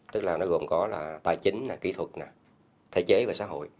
tức là nó gồm có là tài chính là kỹ thuật thể chế và xã hội